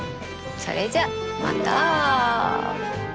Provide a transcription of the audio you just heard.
それじゃあまた。